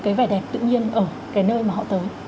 cái vẻ đẹp tự nhiên ở cái nơi mà họ tới